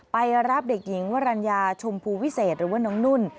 ไปรับเด็กหญิงวรรณญาชมพูวิเศษหรือว่าน้องนุ่น